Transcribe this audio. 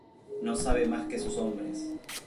No sabe más que sus hombres.